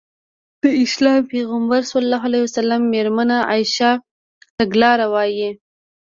د اسلام پيغمبر ص مېرمنه عايشه تګلاره وايي.